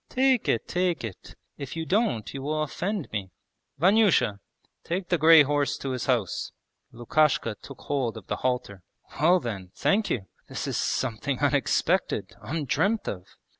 'Take it, take it! If you don't you will offend me. Vanyusha! Take the grey horse to his house.' Lukashka took hold of the halter. 'Well then, thank you! This is something unexpected, undreamt of.'